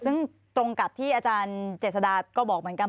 ซึ่งตรงกับที่อาจารย์เจษฎาก็บอกเหมือนกัน